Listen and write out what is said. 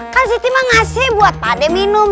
kan siti mah ngasih buat pade minum